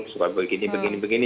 seperti begini begini begini